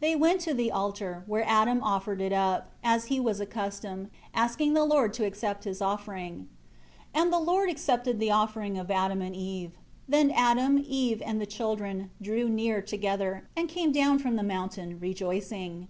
They went to the altar, where Adam offered it up, as he was accustomed, asking the Lord to accept his offering. 5 And the Lord accepted the offering of Adam and Eve. Then Adam, Eve, and the children, drew near together, and came down from the mountain, rejoicing.